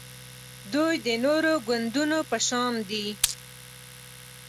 دوی د نورو ګوندونو په شان دي